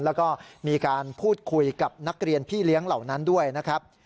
แล้วก็มีการพูดคุยกับนักเรียนพี่เลี้ยงเหล่านั้นด้วยนะครับ